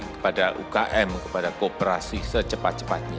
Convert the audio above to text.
kepada ukm kepada kooperasi secepat cepatnya